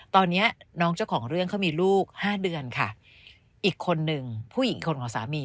ตอนนี้น้องเจ้าของเรื่องเขามีลูกห้าเดือนค่ะอีกคนหนึ่งผู้หญิงคนของสามี